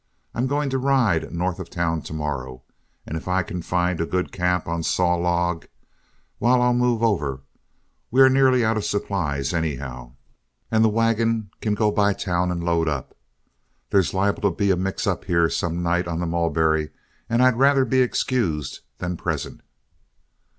I'm going to ride north of town to morrow, and if I can find a good camp on Saw Log, why I'll move over. We are nearly out of supplies, anyhow, and the wagon can go by town and load up. There's liable to be a mix up here some night on the Mulberry, and I'd rather be excused than present."